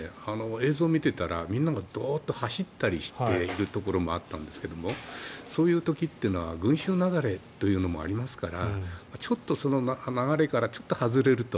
映像を見ていたらみんながドッと走ったりしているところもあったんですがそういう時というのは群衆雪崩というのもありますからその流れからちょっと外れると。